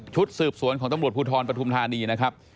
สืบสวนของตำรวจภูทรปฐุมธานีนะครับ